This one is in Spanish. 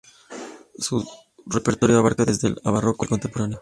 Su repertorio abarca desde el barroco al contemporáneo.